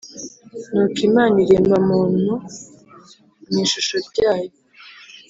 nuko imana irema muntu mu ishusho ryayo